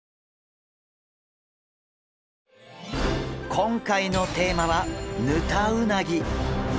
今回のテーマはヌタウナギ。